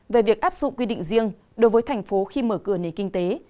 về việc áp dụng quy định riêng đối với thành phố khi mở cửa nền kinh tế